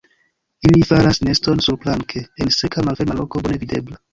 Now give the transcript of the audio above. Ili faras neston surplanke en seka malferma loko bone videbla.